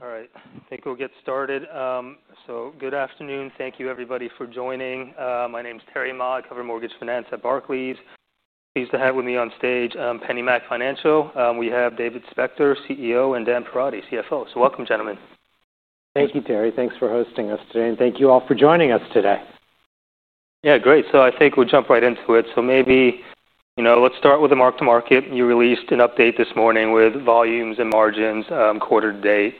All right, I think we'll get started. Good afternoon. Thank you, everybody, for joining. My name is Terry Ma. I cover mortgage finance at Barclays. Pleased to have with me on stage PennyMac Mortgage Investment Trust. We have David Spector, CEO, and Dan Perotti, CFO. Welcome, gentlemen. Thank you, Terry. Thank you for hosting us today, and thank you all for joining us today. Yeah, great. I think we'll jump right into it. Maybe, you know, let's start with the mark to market. You released an update this morning with volumes and margins quarter to date.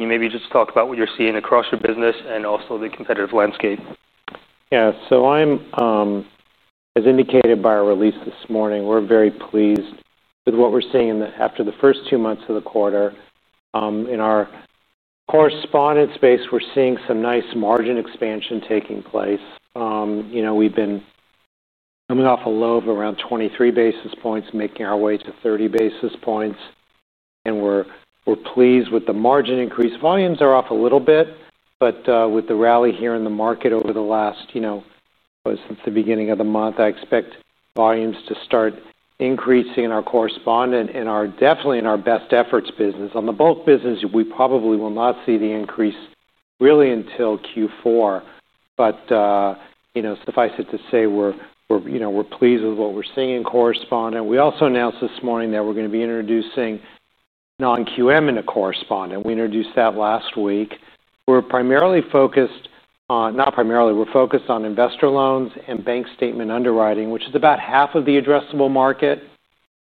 You maybe just talk about what you're seeing across your business and also the competitive landscape. Yeah, as indicated by our release this morning, we're very pleased with what we're seeing after the first two months of the quarter. In our correspondent space, we're seeing some nice margin expansion taking place. We've been coming off a low of around 23 basis points, making our way to 30 basis points, and we're pleased with the margin increase. Volumes are off a little bit, but with the rally here in the market since the beginning of the month, I expect volumes to start increasing in our correspondent and definitely in our best efforts business. On the bulk business, we probably will not see the increase really until Q4. Suffice it to say, we're pleased with what we're seeing in correspondent. We also announced this morning that we're going to be introducing non-QM in the correspondent. We introduced that last week. We're focused on investor loans and bank statement underwriting, which is about half of the addressable market.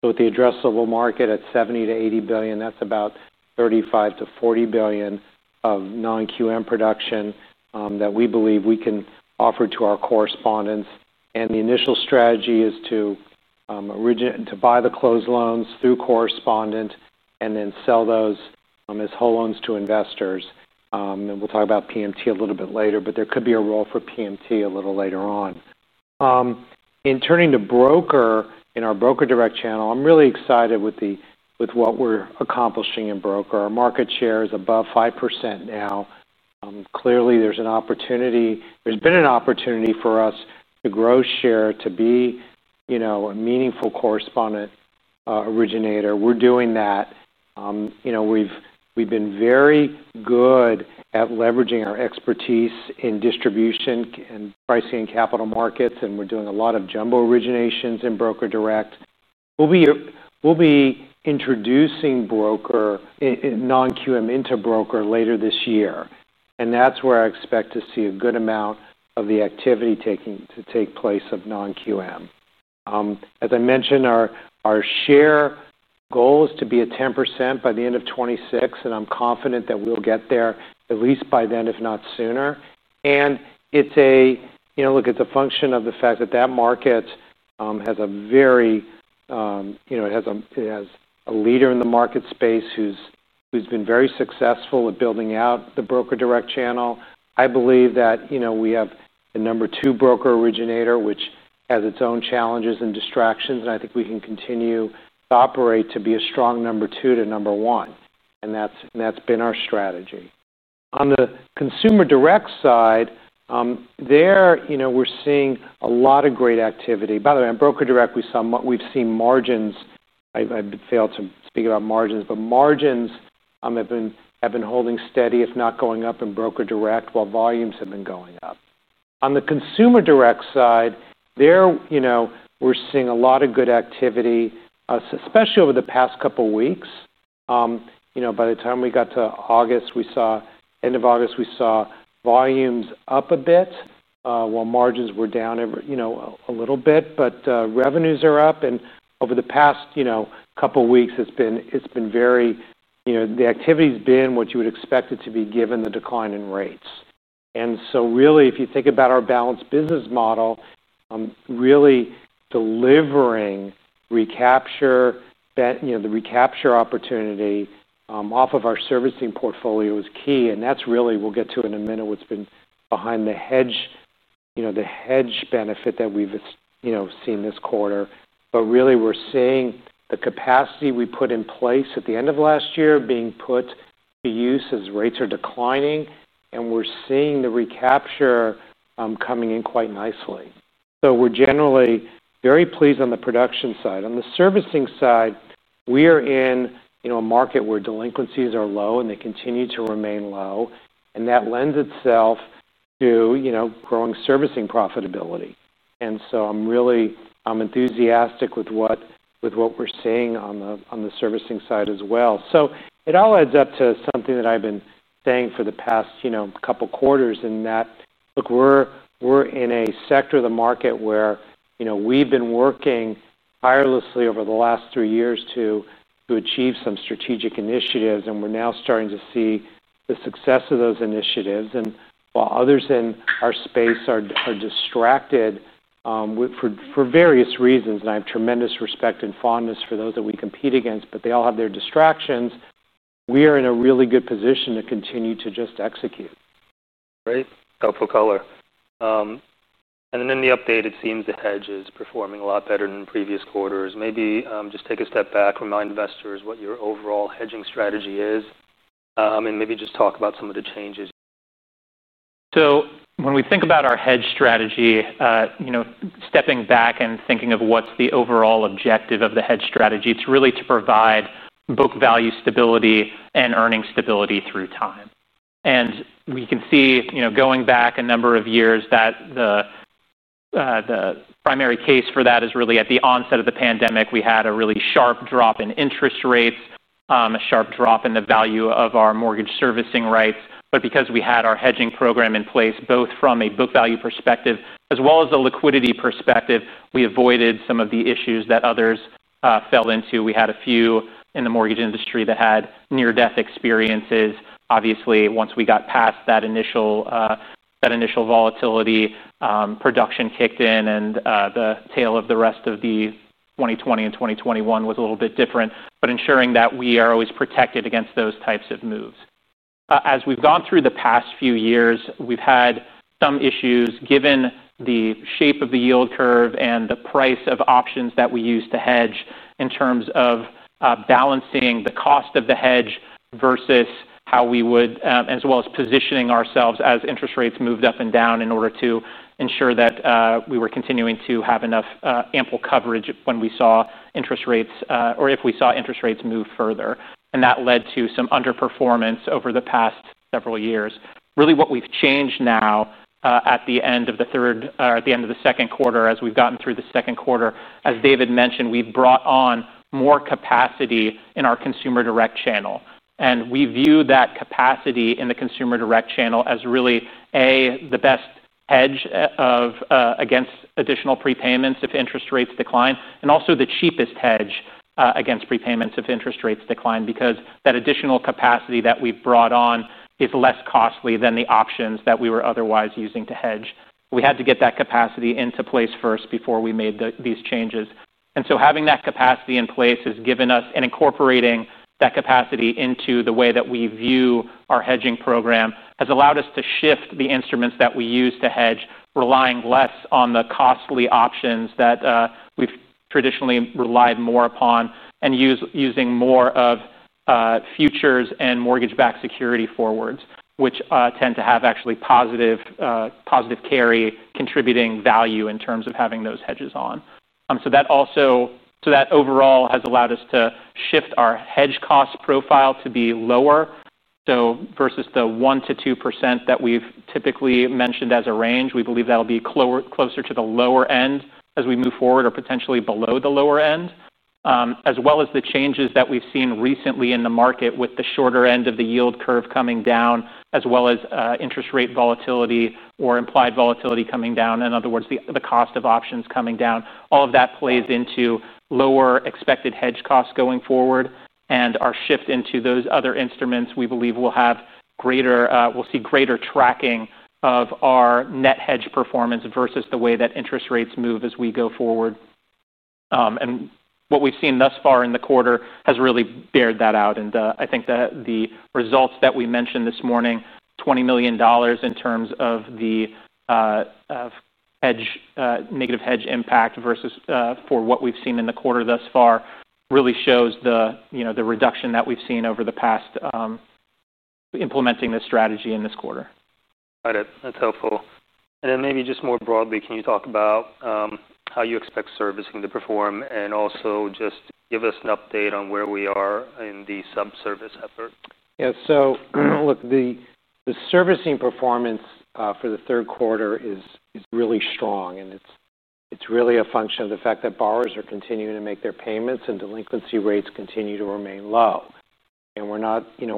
With the addressable market at $70 to $80 billion, that's about $35 to $40 billion of non-QM production that we believe we can offer to our correspondents. The initial strategy is to buy the closed loans through correspondent and then sell those as whole loans to investors. We'll talk about PennyMac Mortgage Investment Trust a little bit later, but there could be a role for PennyMac Mortgage Investment Trust a little later on. Turning to broker in our broker direct channel, I'm really excited with what we're accomplishing in broker. Our market share is above 5% now. Clearly, there's an opportunity. There's been an opportunity for us to grow share to be a meaningful correspondent originator. We're doing that. We've been very good at leveraging our expertise in distribution and pricing in capital markets, and we're doing a lot of jumbo originations in broker direct. We'll be introducing non-QM into broker later this year, and that's where I expect to see a good amount of the activity take place for non-QM. As I mentioned, our share goal is to be at 10% by the end of 2026, and I'm confident that we'll get there at least by then, if not sooner. It's a function of the fact that that market has a leader in the market space who's been very successful at building out the broker direct channel. I believe that, you know, we have the number two broker originator, which has its own challenges and distractions, and I think we can continue to operate to be a strong number two to number one. That's been our strategy. On the consumer direct side, there, you know, we're seeing a lot of great activity. By the way, on broker direct, we saw what we've seen margins. I failed to speak about margins, but margins have been holding steady, if not going up in broker direct, while volumes have been going up. On the consumer direct side, there, you know, we're seeing a lot of good activity, especially over the past couple of weeks. By the time we got to August, we saw end of August, we saw volumes up a bit, while margins were down, you know, a little bit, but revenues are up. Over the past, you know, couple of weeks, it's been very, you know, the activity's been what you would expect it to be given the decline in rates. If you think about our balanced business model, really delivering recapture, you know, the recapture opportunity off of our servicing portfolio is key. That's really, we'll get to in a minute what's been behind the hedge, you know, the hedge benefit that we've, you know, seen this quarter. We're seeing the capacity we put in place at the end of last year being put to use as rates are declining. We're seeing the recapture coming in quite nicely. We're generally very pleased on the production side. On the servicing side, we are in, you know, a market where delinquencies are low and they continue to remain low. That lends itself to, you know, growing servicing profitability. I'm enthusiastic with what we're seeing on the servicing side as well. It all adds up to something that I've been saying for the past, you know, couple of quarters in that, look, we're in a sector of the market where, you know, we've been working tirelessly over the last three years to achieve some strategic initiatives, and we're now starting to see the success of those initiatives. While others in our space are distracted for various reasons, and I have tremendous respect and fondness for those that we compete against, but they all have their distractions, we are in a really good position to continue to just execute. Right. Helpful color. In the update, it seems the hedge is performing a lot better than previous quarters. Maybe just take a step back, remind investors what your overall hedging strategy is, and maybe just talk about some of the changes. When we think about our hedge strategy, stepping back and thinking of what's the overall objective of the hedge strategy, it's really to provide book value stability and earning stability through time. We can see, going back a number of years, that the primary case for that is really at the onset of the pandemic. We had a really sharp drop in interest rates, a sharp drop in the value of our mortgage servicing rights. Because we had our hedging program in place, both from a book value perspective as well as a liquidity perspective, we avoided some of the issues that others fell into. We had a few in the mortgage industry that had near-death experiences. Obviously, once we got past that initial volatility, production kicked in and the tale of the rest of 2020 and 2021 was a little bit different, but ensuring that we are always protected against those types of moves. As we've gone through the past few years, we've had some issues given the shape of the yield curve and the price of options that we use to hedge in terms of balancing the cost of the hedge versus how we would, as well as positioning ourselves as interest rates moved up and down in order to ensure that we were continuing to have enough ample coverage when we saw interest rates or if we saw interest rates move further. That led to some underperformance over the past several years. What we've changed now at the end of the third, at the end of the second quarter, as we've gotten through the second quarter, as David mentioned, we've brought on more capacity in our consumer direct channel. We view that capacity in the consumer direct channel as really, A, the best hedge against additional prepayments if interest rates decline, and also the cheapest hedge against prepayments if interest rates decline, because that additional capacity that we've brought on is less costly than the options that we were otherwise using to hedge. We had to get that capacity into place first before we made these changes. Having that capacity in place has given us, and incorporating that capacity into the way that we view our hedging program has allowed us to shift the instruments that we use to hedge, relying less on the costly options that we've traditionally relied more upon and using more of futures and mortgage-backed security forwards, which tend to have actually positive carry contributing value in terms of having those hedges on. That overall has allowed us to shift our hedge cost profile to be lower. Versus the 1 to 2% that we've typically mentioned as a range, we believe that'll be closer to the lower end as we move forward or potentially below the lower end. The changes that we've seen recently in the market with the shorter end of the yield curve coming down, as well as interest rate volatility or implied volatility coming down—in other words, the cost of options coming down—all of that plays into lower expected hedge costs going forward. Our shift into those other instruments, we believe we'll see greater tracking of our net hedge performance versus the way that interest rates move as we go forward. What we've seen thus far in the quarter has really borne that out. I think that the results that we mentioned this morning, $20 million in terms of the negative hedge impact for what we've seen in the quarter thus far, really shows the reduction that we've seen over the past implementing this strategy in this quarter. Got it. That's helpful. Maybe just more broadly, can you talk about how you expect servicing to perform and also just give us an update on where we are in the subservice effort? Yeah, so look, the servicing performance for the third quarter is really strong, and it's really a function of the fact that borrowers are continuing to make their payments and delinquency rates continue to remain low. We're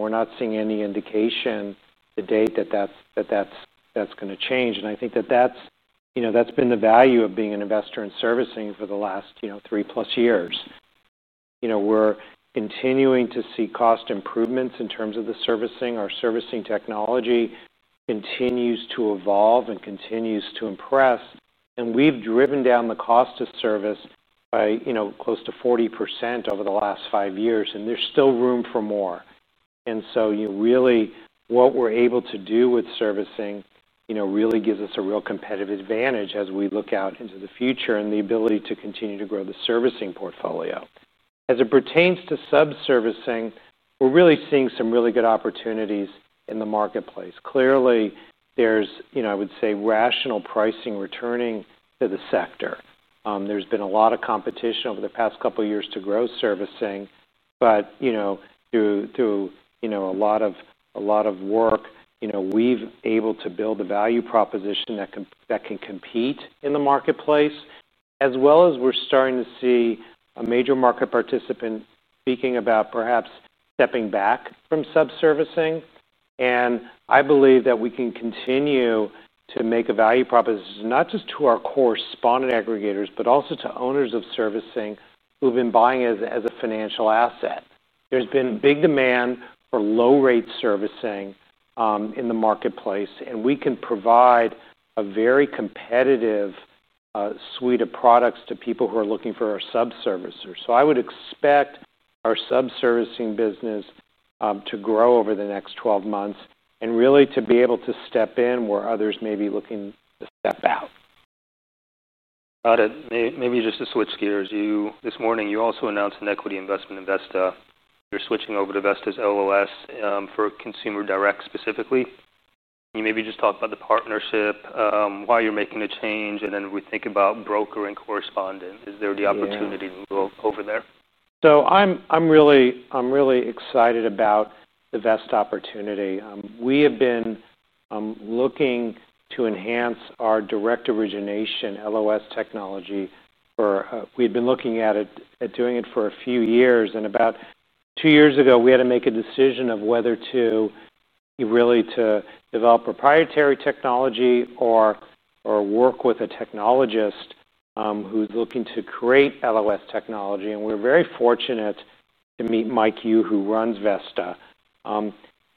not seeing any indication to date that that's going to change. I think that that's been the value of being an investor in servicing for the last three plus years. We're continuing to see cost improvements in terms of the servicing. Our servicing technology continues to evolve and continues to impress. We've driven down the cost of service by close to 40% over the last five years, and there's still room for more. Really, what we're able to do with servicing gives us a real competitive advantage as we look out into the future and the ability to continue to grow the servicing portfolio. As it pertains to subservicing, we're really seeing some really good opportunities in the marketplace. Clearly, I would say rational pricing is returning to the sector. There's been a lot of competition over the past couple of years to grow servicing, but through a lot of work, we've been able to build a value proposition that can compete in the marketplace, as well as we're starting to see a major market participant speaking about perhaps stepping back from subservicing. I believe that we can continue to make a value proposition not just to our correspondent aggregators, but also to owners of servicing who've been buying as a financial asset. There's been big demand for low-rate servicing in the marketplace, and we can provide a very competitive suite of products to people who are looking for our subservicers. I would expect our subservicing business to grow over the next 12 months and really to be able to step in where others may be looking to step out. Got it. Maybe just to switch gears, this morning you also announced an equity investment in Vesta. You're switching over to Vesta's LOS for consumer direct specifically. Can you maybe just talk about the partnership, why you're making the change, and then when we think about broker and correspondent, is there the opportunity over there? I'm really excited about the Vesta opportunity. We have been looking to enhance our direct origination LOS technology. We had been looking at doing it for a few years, and about two years ago we had to make a decision of whether to really develop proprietary technology or work with a technologist who's looking to create LOS technology. We're very fortunate to meet Mike, who runs Vesta.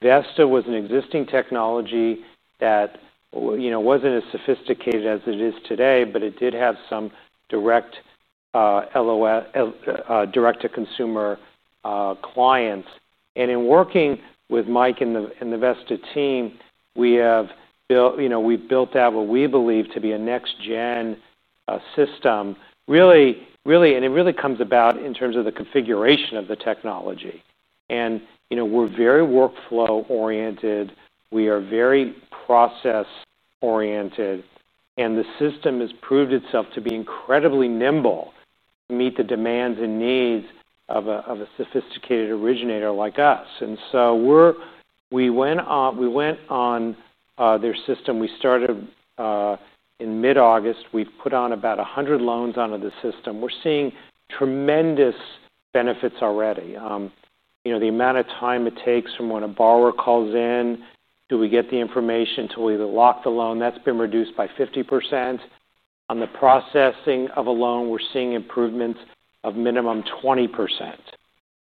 Vesta was an existing technology that wasn't as sophisticated as it is today, but it did have some direct LOS, direct to consumer clients. In working with Mike and the Vesta team, we have built out what we believe to be a next-gen system. It really comes about in terms of the configuration of the technology. We're very workflow-oriented. We are very process-oriented. The system has proved itself to be incredibly nimble to meet the demands and needs of a sophisticated originator like us. We went on their system. We started in mid-August. We've put on about 100 loans onto the system. We're seeing tremendous benefits already. The amount of time it takes from when a borrower calls in to when we get the information to either lock the loan, that's been reduced by 50%. On the processing of a loan, we're seeing improvements of minimum 20%.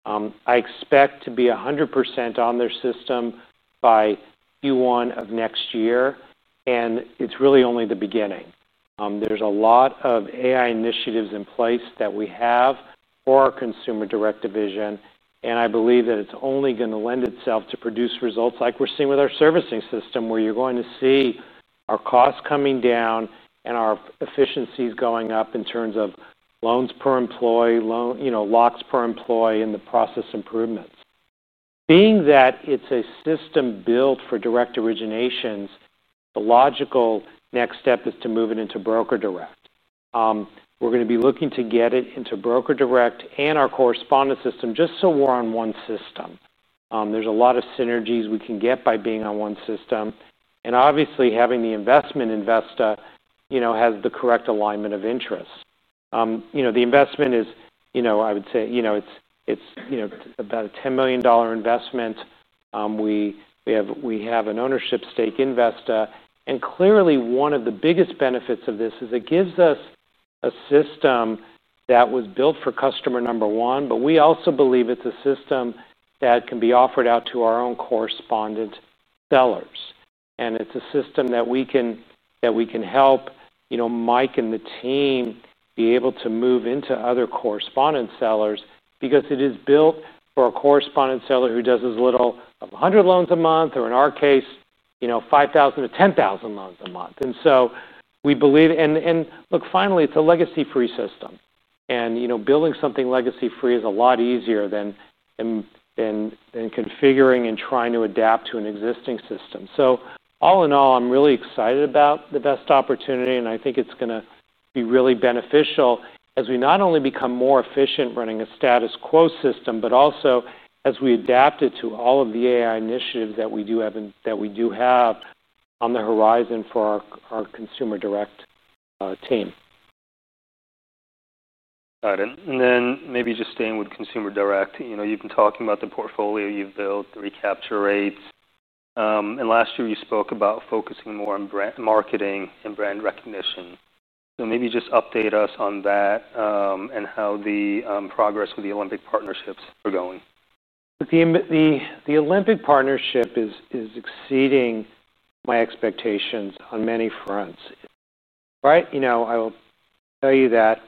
I expect to be 100% on their system by Q1 of next year. It's really only the beginning. There are a lot of AI initiatives in place that we have for our consumer direct division. I believe that it's only going to lend itself to produce results like we're seeing with our servicing system, where you're going to see our costs coming down and our efficiencies going up in terms of loans per employee, locks per employee, and the process improvements. Being that it's a system built for direct originations, the logical next step is to move it into broker direct. We're going to be looking to get it into broker direct and our correspondent system just so we're on one system. There are a lot of synergies we can get by being on one system. Obviously, having the investment in Vesta has the correct alignment of interests. The investment is about a $10 million investment. We have an ownership stake in Vesta. Clearly, one of the biggest benefits of this is it gives us a system that was built for customer number one, but we also believe it's a system that can be offered out to our own correspondent sellers. It's a system that we can help Mike and the team be able to move into other correspondent sellers because it is built for a correspondent seller who does as few as 100 loans a month or, in our case, 5,000 to 10,000 loans a month. We believe, finally, it's a legacy-free system. Building something legacy-free is a lot easier than configuring and trying to adapt to an existing system. All in all, I'm really excited about the Vesta opportunity. I think it's going to be really beneficial as we not only become more efficient running a status quo system, but also as we adapt it to all of the AI initiatives that we do have on the horizon for our consumer direct team. Got it. Maybe just staying with consumer direct, you've been talking about the portfolio you've built, the recapture rates. Last year you spoke about focusing more on brand marketing and brand recognition. Maybe just update us on that and how the progress with the Olympic partnerships are going. The Olympic partnership is exceeding my expectations on many fronts. I will tell you that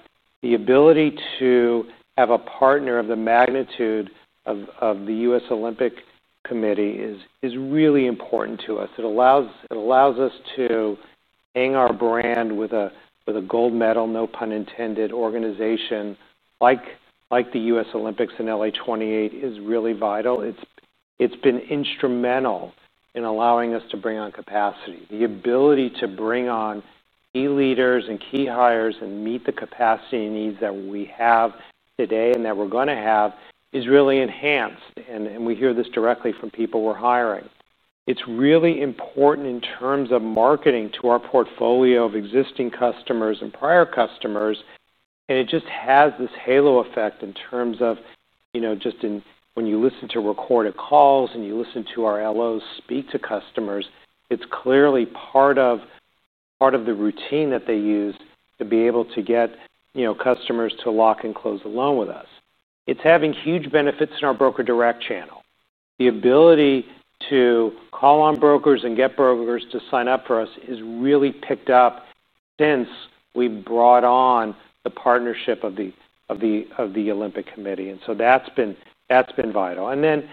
the ability to have a partner of the magnitude of the U.S. Olympic & Paralympic Committee is really important to us. It allows us to hang our brand with a gold medal, no pun intended, organization like the U.S. Olympics, and LA28 is really vital. It's been instrumental in allowing us to bring on capacity. The ability to bring on key leaders and key hires and meet the capacity needs that we have today and that we're going to have is really enhanced. We hear this directly from people we're hiring. It's really important in terms of marketing to our portfolio of existing customers and prior customers. It just has this halo effect in terms of, you know, just when you listen to recorded calls and you listen to our LOs speak to customers, it's clearly part of the routine that they use to be able to get customers to lock and close a loan with us. It's having huge benefits in our broker direct channel. The ability to call on brokers and get brokers to sign up for us has really picked up since we brought on the partnership of the Olympic Committee. That's been vital.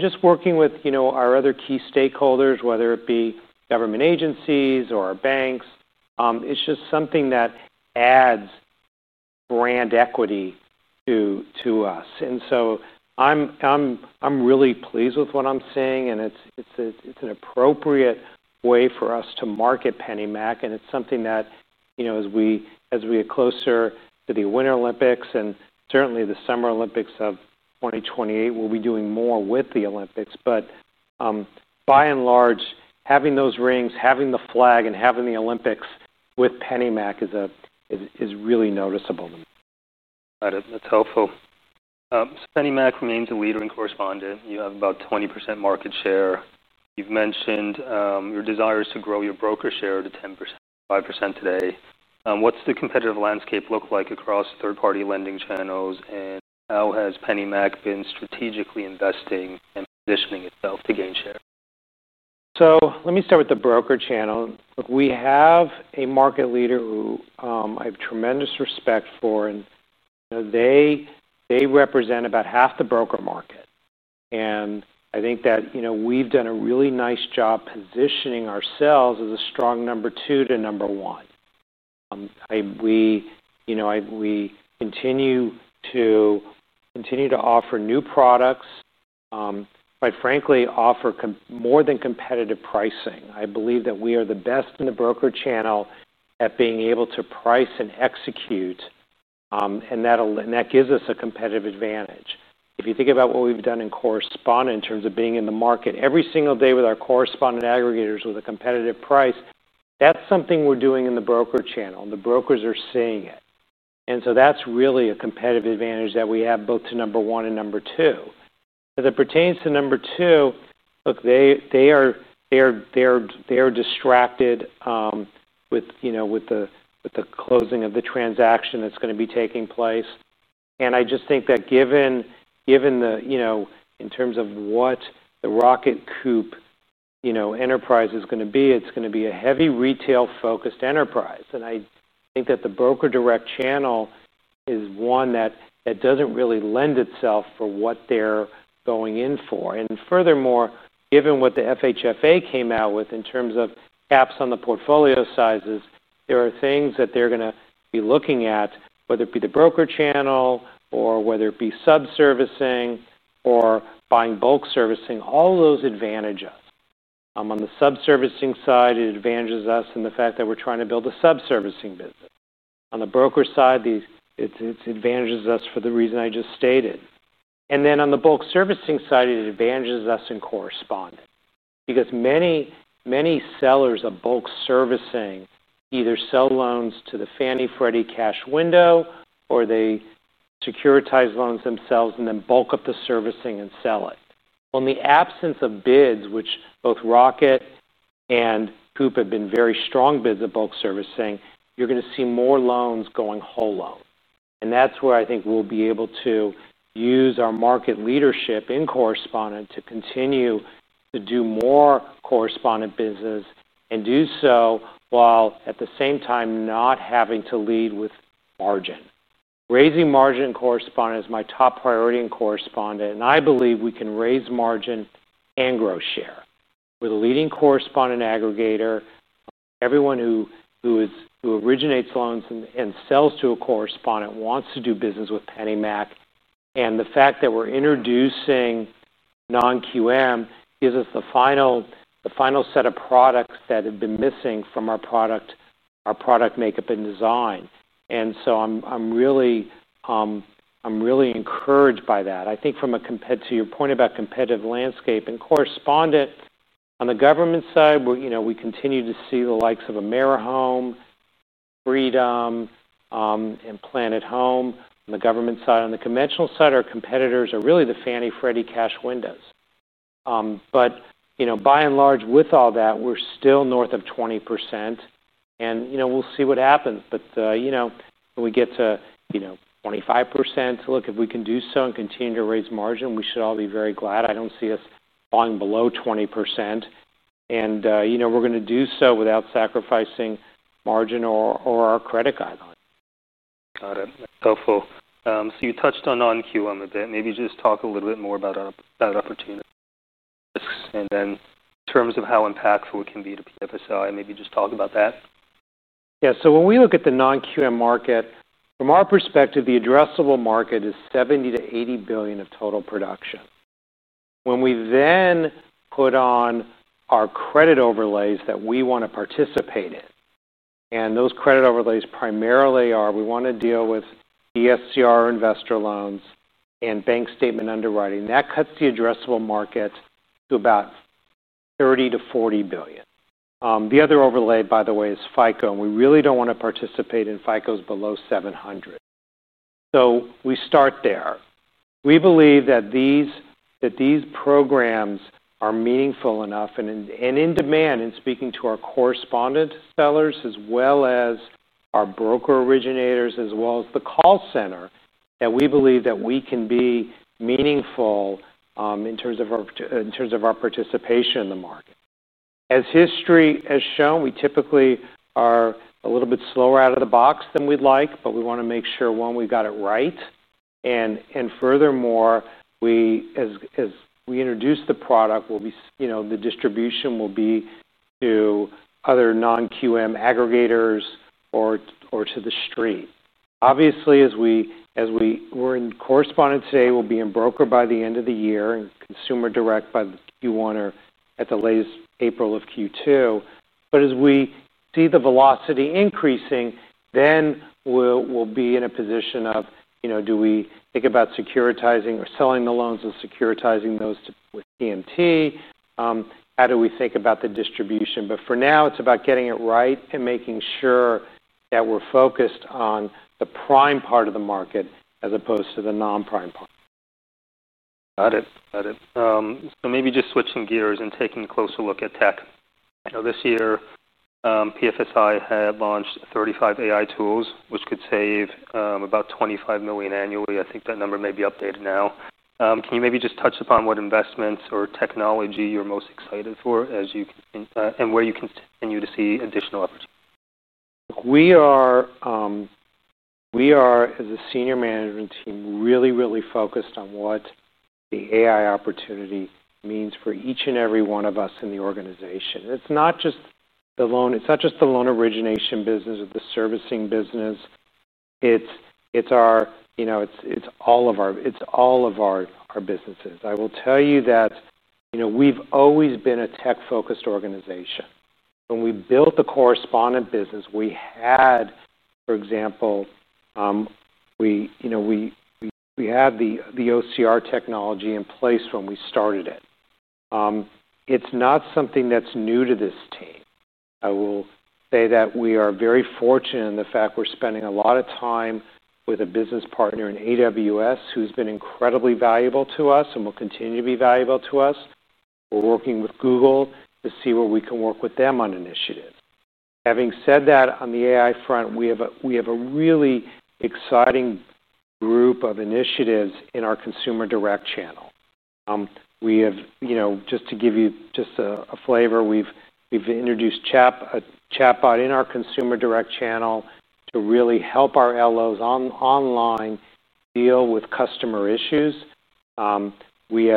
Just working with our other key stakeholders, whether it be government agencies or our banks, it's just something that adds brand equity to us. I'm really pleased with what I'm seeing. It's an appropriate way for us to market PennyMac Mortgage Investment Trust. It's something that, as we get closer to the Winter Olympics and certainly the Summer Olympics of 2028, we'll be doing more with the Olympics. By and large, having those rings, having the flag, and having the Olympics with PennyMac is really noticeable. Got it. That's helpful. PennyMac remains a leader in correspondent. You have about 20% market share. You've mentioned your desires to grow your broker share to 10%, 5% today. What's the competitive landscape look like across third-party lending channels? How has PennyMac been strategically investing and positioning itself to gain share? Let me start with the broker channel. We have a market leader who I have tremendous respect for. They represent about half the broker market. I think that we've done a really nice job positioning ourselves as a strong number two to number one. We continue to offer new products, quite frankly, offer more than competitive pricing. I believe that we are the best in the broker channel at being able to price and execute, and that gives us a competitive advantage. If you think about what we've done in correspondent in terms of being in the market every single day with our correspondent aggregators with a competitive price, that's something we're doing in the broker channel, and the brokers are seeing it. That's really a competitive advantage that we have both to number one and number two. As it pertains to number two, they are distracted with the closing of the transaction that's going to be taking place. I just think that given the, in terms of what the Rocket Coop enterprise is going to be, it's going to be a heavy retail-focused enterprise. I think that the broker direct channel is one that doesn't really lend itself for what they're going in for. Furthermore, given what the FHFA came out with in terms of caps on the portfolio sizes, there are things that they're going to be looking at, whether it be the broker channel or whether it be subservicing or buying bulk servicing, all of those advantages. On the subservicing side, it advantages us in the fact that we're trying to build a subservicing business. On the broker side, it advantages us for the reason I just stated. On the bulk servicing side, it advantages us in correspondent because many, many sellers of bulk servicing either sell loans to the Fannie Freddie cash window or they securitize loans themselves and then bulk up the servicing and sell it. In the absence of bids, which both Rocket and Coop have been very strong bids at bulk servicing, you're going to see more loans going whole loan. That's where I think we'll be able to use our market leadership in correspondent to continue to do more correspondent business and do so while at the same time not having to lead with margin. Raising margin in correspondent is my top priority in correspondent. I believe we can raise margin and grow share. We're the leading correspondent aggregator. Everyone who originates loans and sells to a correspondent wants to do business with PennyMac. The fact that we're introducing non-QM gives us the final set of products that have been missing from our product makeup and design. I'm really encouraged by that. I think from a competitive, to your point about competitive landscape and correspondent on the government side, we continue to see the likes of AmeriHome, Freedom, and Planet Home. On the government side, on the conventional side, our competitors are really the Fannie Freddie cash windows. By and large, with all that, we're still north of 20%. We'll see what happens. When we get to 25%, look, if we can do so and continue to raise margin, we should all be very glad. I don't see us falling below 20%. We're going to do so without sacrificing margin or our credit guideline. Got it. That's helpful. You touched on non-QM a bit. Maybe just talk a little bit more about that opportunity. In terms of how impactful it can be to PFSI, maybe just talk about that. Yeah, so when we look at the non-QM market, from our perspective, the addressable market is $70 to $80 billion of total production. When we then put on our credit overlays that we want to participate in, and those credit overlays primarily are we want to deal with agency-eligible investor loans and bank statement underwriting, that cuts the addressable market to about $30 to $40 billion. The other overlay, by the way, is FICO, and we really don't want to participate in FICOs below 700. We start there. We believe that these programs are meaningful enough and in demand in speaking to our correspondent sellers as well as our broker originators as well as the call center, that we believe that we can be meaningful in terms of our participation in the market. As history has shown, we typically are a little bit slower out of the box than we'd like, but we want to make sure, one, we've got it right. Furthermore, as we introduce the product, the distribution will be to other non-QM aggregators or to the stream. Obviously, as we are in correspondent today, we'll be in broker by the end of the year and consumer direct by Q1 or at the latest April of Q2. As we see the velocity increasing, then we'll be in a position of, do we think about securitizing or selling the loans and securitizing those with PennyMac Mortgage Investment Trust? How do we think about the distribution? For now, it's about getting it right and making sure that we're focused on the prime part of the market as opposed to the non-prime part. Got it. Maybe just switching gears and taking a closer look at tech. This year, PennyMac Mortgage Investment Trust had launched 35 AI tools, which could save about $25 million annually. I think that number may be updated now. Can you maybe just touch upon what investments or technology you're most excited for as you can and where you continue to see additional opportunities? We are, as a Senior Management team, really, really focused on what the AI opportunity means for each and every one of us in the organization. It's not just the loan, it's not just the loan origination business or the servicing business. It's all of our businesses. I will tell you that we've always been a tech-focused organization. When we built the correspondent business, for example, we had the OCR technology in place when we started it. It's not something that's new to this team. I will say that we are very fortunate in the fact we're spending a lot of time with a business partner in AWS who's been incredibly valuable to us and will continue to be valuable to us. We're working with Google to see where we can work with them on initiatives. Having said that, on the AI front, we have a really exciting group of initiatives in our consumer direct channel. Just to give you a flavor, we've introduced a chatbot in our consumer direct channel to really help our LOs online deal with customer issues. We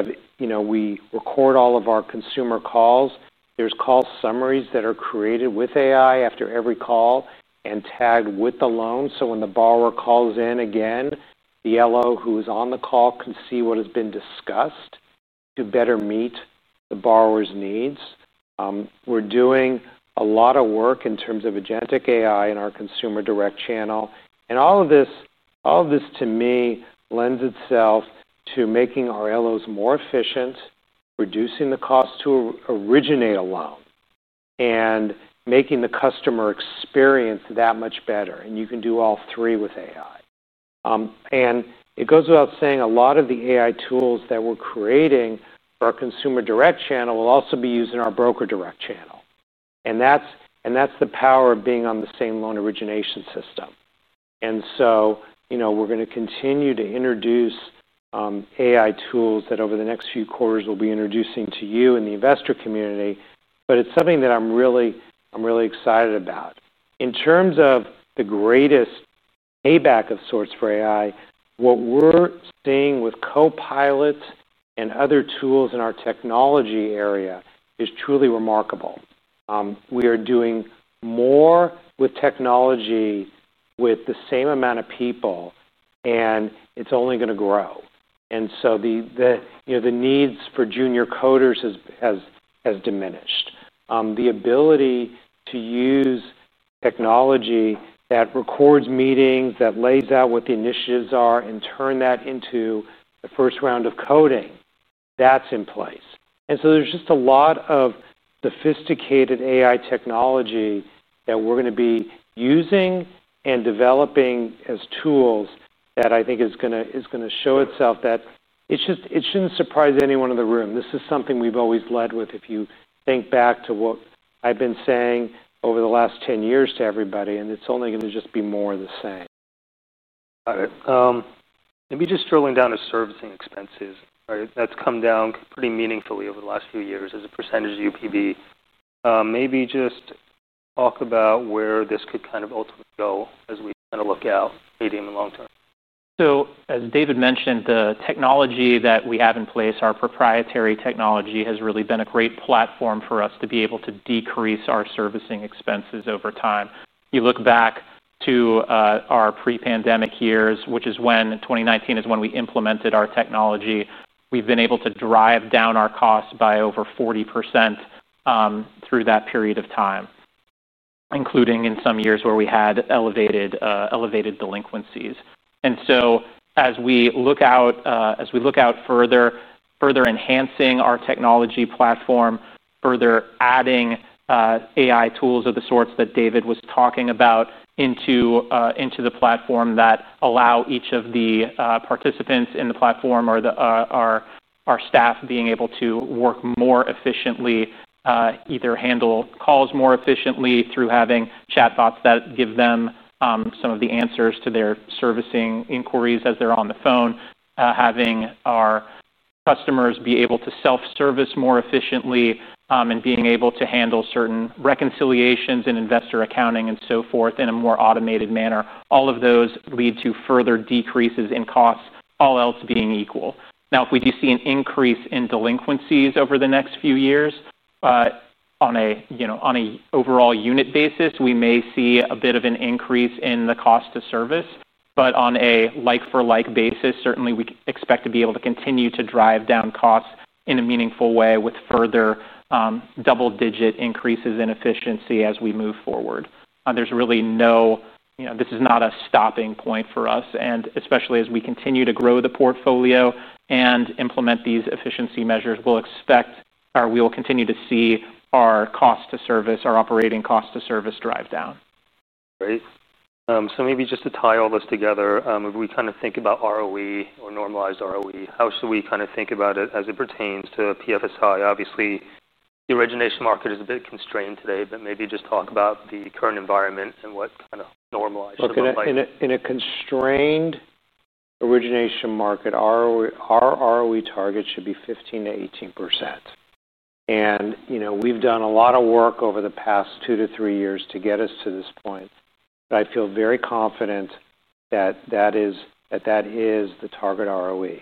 record all of our consumer calls. There are call summaries that are created with AI after every call and tagged with the loan. When the borrower calls in again, the LO who is on the call can see what has been discussed to better meet the borrower's needs. We're doing a lot of work in terms of agentic AI in our consumer direct channel. All of this to me lends itself to making our LOs more efficient, reducing the cost to originate a loan, and making the customer experience that much better. You can do all three with AI. It goes without saying a lot of the AI tools that we're creating for our consumer direct channel will also be used in our broker direct channel. That's the power of being on the same loan origination system. We're going to continue to introduce AI tools that over the next few quarters we'll be introducing to you and the investor community. It's something that I'm really, I'm really excited about. In terms of the greatest payback of sorts for AI, what we're seeing with copilots and other tools in our technology area is truly remarkable. We are doing more with technology with the same amount of people, and it's only going to grow. The needs for junior coders has diminished. The ability to use technology that records meetings, that lays out what the initiatives are, and turn that into the first round of coding, that's in place. There is just a lot of sophisticated AI technology that we're going to be using and developing as tools that I think is going to show itself. It shouldn't surprise anyone in the room. This is something we've always led with. If you think back to what I've been saying over the last 10 years to everybody, it's only going to just be more of the same. Got it. Maybe just drilling down to servicing expenses, right? That's come down pretty meaningfully over the last few years as a percentage of UPB. Maybe just talk about where this could kind of ultimately go as we kind of look out, medium and long term. As David mentioned, the technology that we have in place, our proprietary technology, has really been a great platform for us to be able to decrease our servicing expenses over time. You look back to our pre-pandemic years, which is when 2019 is when we implemented our technology. We've been able to drive down our costs by over 40% through that period of time, including in some years where we had elevated delinquencies. As we look out further, further enhancing our technology platform, further adding AI tools of the sorts that David was talking about into the platform that allow each of the participants in the platform or our staff being able to work more efficiently, either handle calls more efficiently through having chatbots that give them some of the answers to their servicing inquiries as they're on the phone, having our customers be able to self-service more efficiently, and being able to handle certain reconciliations and investor accounting and so forth in a more automated manner. All of those lead to further decreases in costs, all else being equal. If we do see an increase in delinquencies over the next few years, on an overall unit basis, we may see a bit of an increase in the cost of service. On a like-for-like basis, certainly we expect to be able to continue to drive down costs in a meaningful way with further double-digit increases in efficiency as we move forward. There is really no, you know, this is not a stopping point for us. Especially as we continue to grow the portfolio and implement these efficiency measures, we will continue to see our cost to service, our operating cost to service, drive down. Great. Maybe just to tie all this together, if we kind of think about ROE or normalized ROE, how should we kind of think about it as it pertains to PennyMac Mortgage Investment Trust? Obviously, the origination market is a bit constrained today, but maybe just talk about the current environment and what kind of normalized ROE looks like. In a constrained origination market, our ROE target should be 15% to 18%. We've done a lot of work over the past two to three years to get us to this point. I feel very confident that that is the target ROE.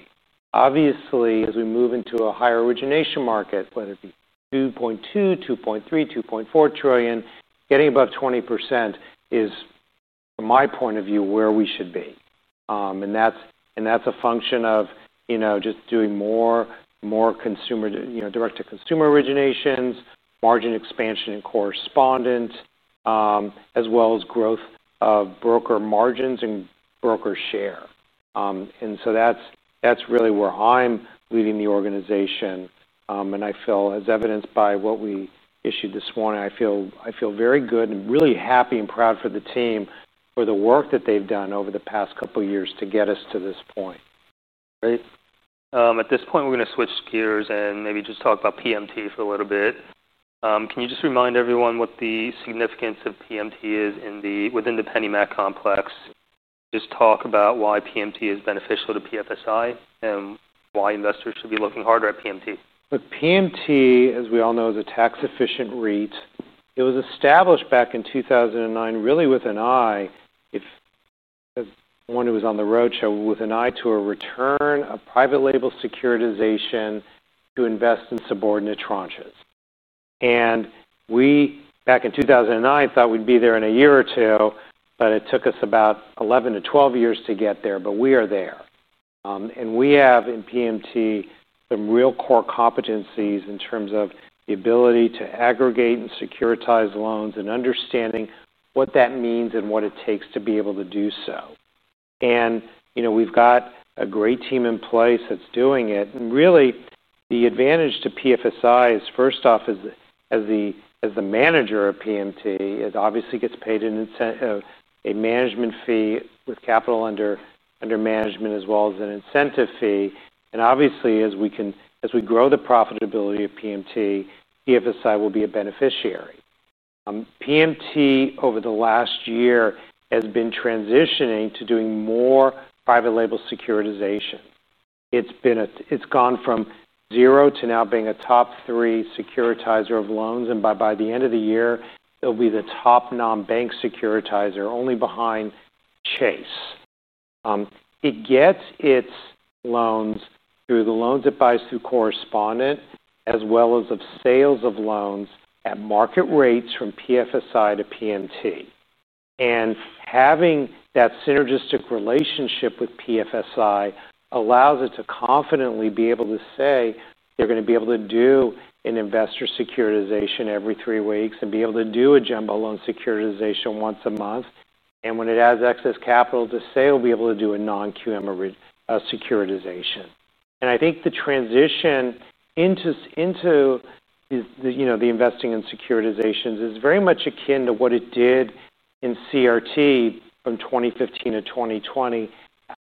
Obviously, as we move into a higher origination market, whether it be $2.2 trillion, $2.3 trillion, $2.4 trillion, getting above 20% is, from my point of view, where we should be. That's a function of just doing more direct-to-consumer originations, margin expansion in correspondent, as well as growth of broker margins and broker share. That's really where I'm leading the organization. I feel, as evidenced by what we issued this morning, very good and really happy and proud for the team for the work that they've done over the past couple of years to get us to this point. Great. At this point, we're going to switch gears and maybe just talk about PMT for a little bit. Can you just remind everyone what the significance of PMT is within the PennyMac complex? Just talk about why PMT is beneficial to PFSI and why investors should be looking harder at PMT. PMT, as we all know, is a tax-efficient REIT. It was established back in 2009, really with an eye, if one who was on the roadshow, with an eye to a return of private label securitization to invest in subordinate tranches. We, back in 2009, thought we'd be there in a year or two, but it took us about 11 to 12 years to get there, but we are there. We have in PMT some real core competencies in terms of the ability to aggregate and securitize loans and understanding what that means and what it takes to be able to do so. We've got a great team in place that's doing it. The advantage to PFSI is, first off, as the manager of PMT, it obviously gets paid an incentive, a management fee with capital under management, as well as an incentive fee. Obviously, as we grow the profitability of PMT, PFSI will be a beneficiary. PMT, over the last year, has been transitioning to doing more private label securitization. It's gone from zero to now being a top three securitizer of loans. By the end of the year, it'll be the top non-bank securitizer, only behind Chase. It gets its loans through the loans it buys through correspondent, as well as sales of loans at market rates from PFSI to PMT. Having that synergistic relationship with PFSI allows it to confidently be able to say they're going to be able to do an investor securitization every three weeks and be able to do a jumbo loan securitization once a month. When it adds excess capital to sale, it'll be able to do a non-QM securitization. I think the transition into the investing in securitizations is very much akin to what it did in CRT from 2015 to 2020,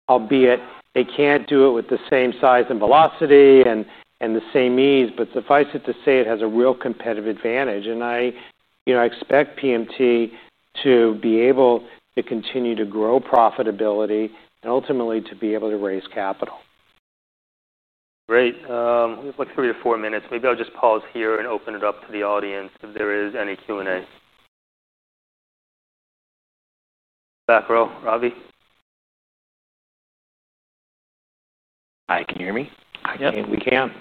albeit they can't do it with the same size and velocity and the same ease. Suffice it to say, it has a real competitive advantage. I expect PMT to be able to continue to grow profitability and ultimately to be able to raise capital. Great. We have like three or four minutes. Maybe I'll just pause here and open it up to the audience if there is any Q&A. Back row, Ravi. Hi, can you hear me? Yep.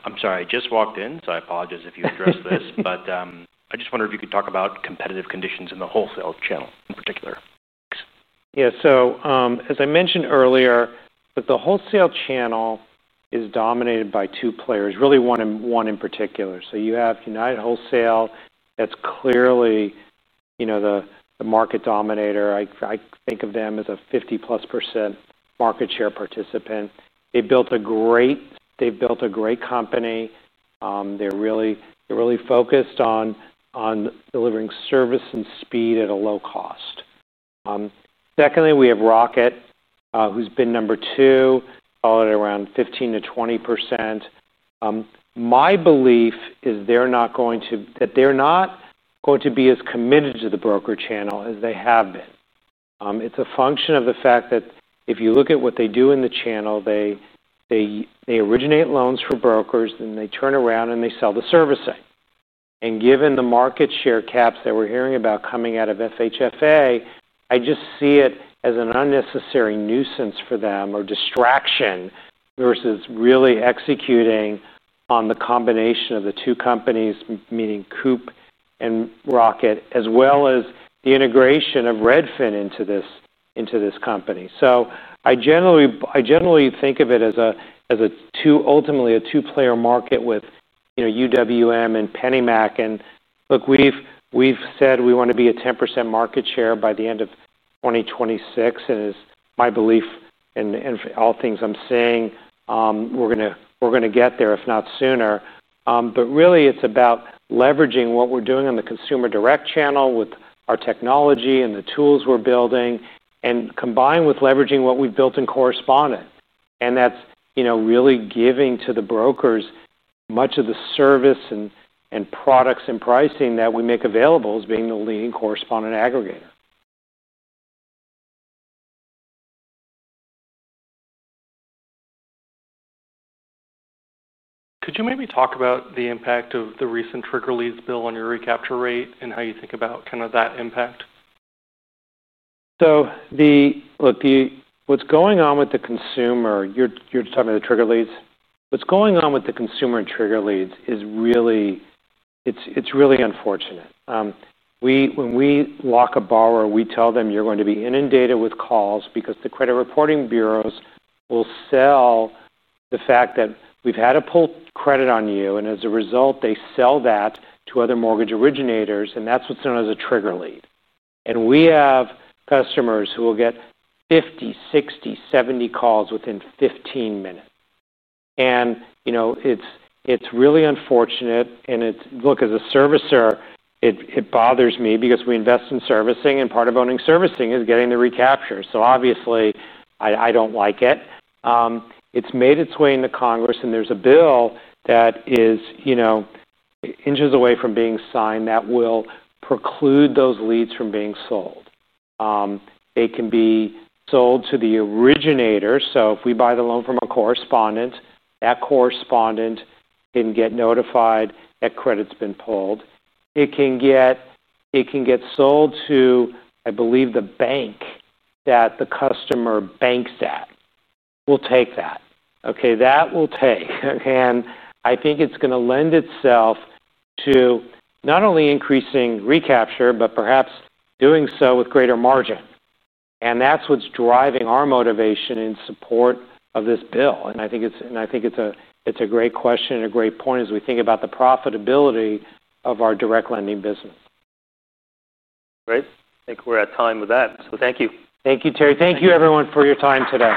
I'm sorry, I just walked in, so I apologize if you addressed this, but I just wondered if you could talk about competitive conditions in the wholesale channel in particular. Thanks. Yeah, as I mentioned earlier, the wholesale channel is dominated by two players, really one in particular. You have United Wholesale that's clearly the market dominator. I think of them as a 50% plus market share participant. They've built a great company, they're really focused on delivering service and speed at a low cost. Secondly, we have Rocket, who's been number two, followed around 15% to 20%. My belief is they're not going to be as committed to the broker channel as they have been. It's a function of the fact that if you look at what they do in the channel, they originate loans for brokers and they turn around and they sell the servicing. Given the market share caps that we're hearing about coming out of FHFA, I just see it as an unnecessary nuisance for them or distraction versus really executing on the combination of the two companies, meaning Coop and Rocket, as well as the integration of Redfin into this company. I generally think of it as ultimately a two-player market with UWM and PennyMac. We've said we want to be at 10% market share by the end of 2026. It's my belief, and all things I'm saying, we're going to get there if not sooner. Really, it's about leveraging what we're doing on the consumer direct channel with our technology and the tools we're building, combined with leveraging what we've built in correspondent. That's really giving to the brokers much of the service and products and pricing that we make available as being the leading correspondent aggregator. Could you maybe talk about the impact of the recent trigger leads bill on your recapture rate and how you think about that impact? Look, what's going on with the consumer, you're talking about the trigger leads? What's going on with the consumer and trigger leads is really, it's really unfortunate. When we lock a borrower, we tell them you're going to be inundated with calls because the credit reporting bureaus will sell the fact that we've had to pull credit on you. As a result, they sell that to other mortgage originators. That's what's known as a trigger lead. We have customers who will get 50, 60, 70 calls within 15 minutes. It's really unfortunate. As a servicer, it bothers me because we invest in servicing and part of owning servicing is getting the recapture. Obviously, I don't like it. It's made its way into Congress and there's a bill that is inches away from being signed that will preclude those leads from being sold. It can be sold to the originator. If we buy the loan from a correspondent, that correspondent can get notified that credit's been pulled. It can get sold to, I believe, the bank that the customer banks at. We'll take that. Okay, that we'll take. I think it's going to lend itself to not only increasing recapture, but perhaps doing so with greater margin. That's what's driving our motivation in support of this bill. I think it's a great question and a great point as we think about the profitability of our direct lending business. Great. I think we're at time with that. Thank you. Thank you, Terry. Thank you, everyone, for your time today.